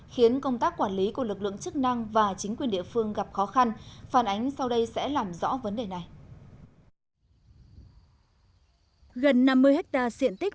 khiến công tác quản lý của lực lượng chức năng và chính quyền địa phương gặp khó khăn